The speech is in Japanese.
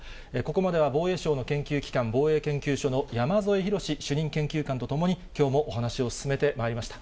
ここまでは防衛省の研究機関、防衛研究所の山添博史主任研究官と共に、きょうもお話を進めてまいりました。